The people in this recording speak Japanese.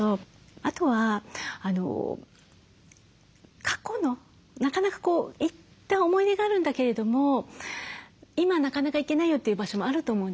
あとは過去のなかなか行った思い出があるんだけれども今なかなか行けないよという場所もあると思うんですよね。